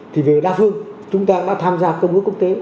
thì về đa phương chúng ta đã tham gia công ước quốc tế